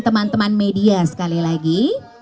teman teman media sekali lagi